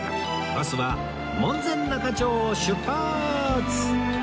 バスは門前仲町を出発！